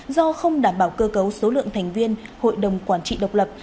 do không đảm bảo cơ cấu số lượng thành viên hội đồng quản trị độc lập